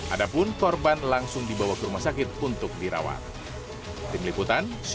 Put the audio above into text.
adapun korban langsung dibawa ke rumah sakit untuk dirawat